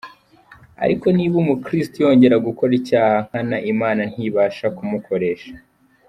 Ariko niba umukiristo yongera gukora icyaha nkana, Imana ntibasha kumukoresha.